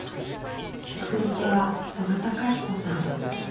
作り手は曽我貴彦さん。